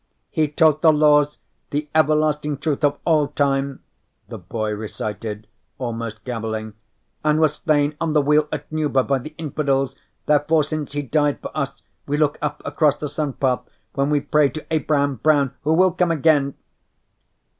"He taught the laws, the everlasting truth of all time," the boy recited, almost gabbling, "and was slain on the wheel at Nuber by the infidels. Therefore, since he died for us, we look up across the sun path when we pray to Abraham Brown, who will come again."